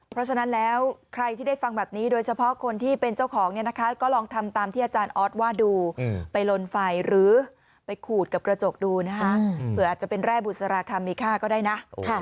เพราะฉะนั้นแล้วใครที่ได้ฟังแบบนี้โดยเฉพาะคนที่เป็นเจ้าของเนี่ยนะคะก็ลองทำตามที่อาจารย์ออสว่าดูไปลนไฟหรือไปขูดกับกระจกดูนะคะเผื่ออาจจะเป็นแร่บุษราคามีค่าก็ได้นะ